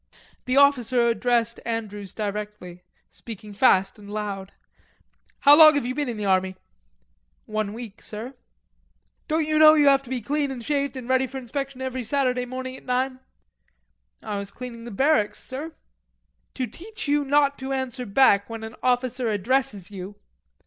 The officer addressed Andrews directly, speaking fast and loud. "How long have you been in the army?" "One week, sir." "Don't you know you have to be clean and shaved and ready for inspection every Saturday morning at nine?" "I was cleaning the barracks, sir." "To teach you not to answer back when an officer addresses you...."